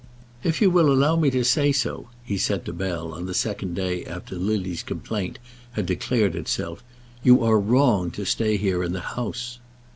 "If you will allow me to say so," he said to Bell, on the second day after Lily's complaint had declared itself, "you are wrong to stay here in the house."